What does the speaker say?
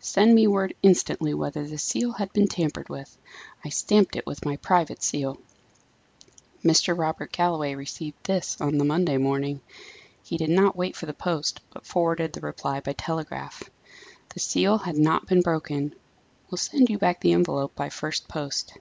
"Send me word instantly whether the seal had been tampered with. I stamped it with my private seal." Mr. Robert Galloway received this on the Monday morning. He did not wait for the post, but forwarded the reply by telegraph "The seal had not been broken. Will send you back the envelope by first post."